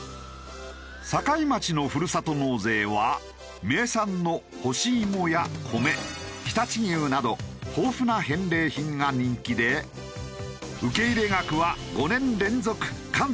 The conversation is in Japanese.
境町のふるさと納税は名産の干しいもや米常陸牛など豊富な返礼品が人気で受け入れ額は５年連続関東で１位。